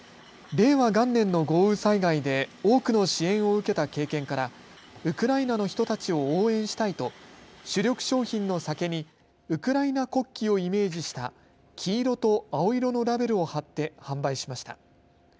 令和元年の豪雨災害で多くの支援を受けた経験からウクライナの人たちを応援したいと主力商品の酒にウクライナ国旗をイメージした黄色と青色のラベルを貼って販売しました。